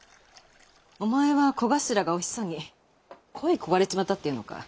お前は小頭がおひさに恋い焦がれちまったっていうのかい？